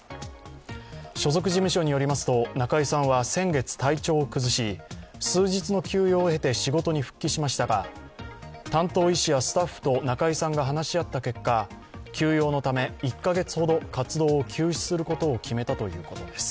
所属事務所によりますと、中居さんは先月体調を崩し数日の休養を経て仕事に復帰しましたが、担当医師やスタッフと中居さんが話し合った結果、休養のため、１か月ほど活動を休止することを決めたということです。